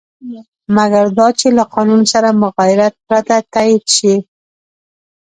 مګر دا چې له قانون سره مغایرت پرته تایید شي.